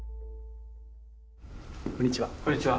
こんにちは。